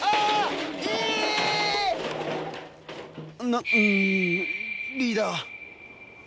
なうんリーダー。